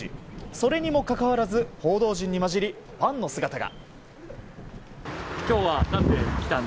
それにもかかわらず報道陣に交じりファンの姿が。